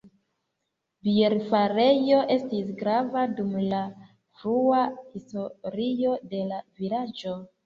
Bierfarejo estis grava dum la frua historio de la vilaĝo.